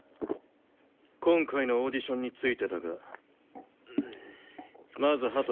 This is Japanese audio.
今回のオーディションについてだがまず羽鳥。